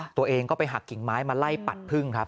ตัวเองก็ไปหักกิ่งไม้มาไล่ปัดพึ่งครับ